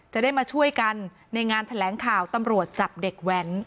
จะได้มาช่วยกันในงานแถลงข่าวตำรวจจับเด็กแว้น